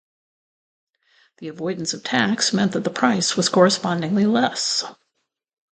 The avoidance of tax meant that the price was correspondingly less.